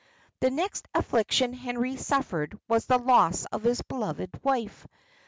The next affliction Henry suffered was the loss of his beloved wife.